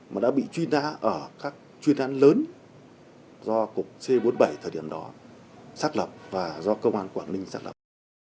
mà đã bị truy nã ở các chuyên án lớn do cục c bốn mươi bảy thời điểm đó xác lập và do công an quảng ninh xác lập